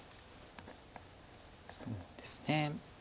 そうですね。